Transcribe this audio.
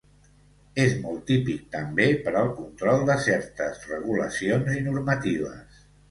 És molt típic també per al control de certes regulacions i normatives.